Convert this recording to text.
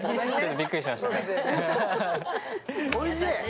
おいしい。